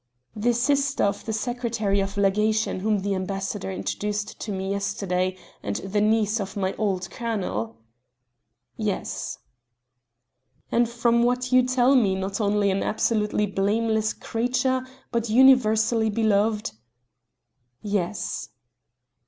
"The sister of the secretary of legation whom the ambassador introduced to me yesterday, and the niece of my old colonel?" "Yes." "And from what you tell me not only an absolutely blameless creature, but universally beloved?" "Yes."